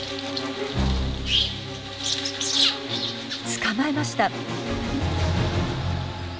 捕まえました！